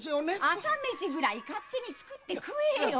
朝飯ぐらい勝手に作って食えよ！